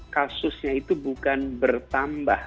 kasusnya itu bukan bertambah